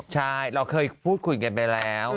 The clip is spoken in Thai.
ใช่เราเคยพูดคุยกันไปแล้ว